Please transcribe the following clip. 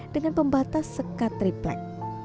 dengan pembatas sekat triplek